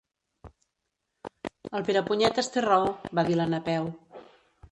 El Perepunyetes té raó —va dir la Napeu—.